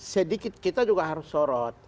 sedikit kita juga harus sorot